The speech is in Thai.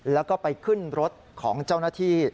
แล้วก็ไปขึ้นรถของเจ้าหน้าที่